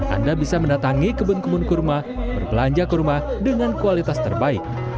anda bisa mendatangi kebun kebun kurma berbelanja kurma dengan kualitas terbaik